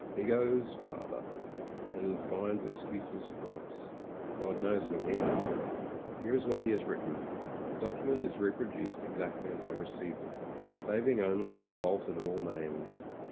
He goes farther, and finds excuses for us; God knows we need them. Here is what he has written. The document is reproduced exactly as I received it — saving only that I have altered all names.